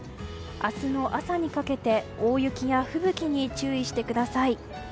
明日の朝にかけて大雪は吹雪に注意してください。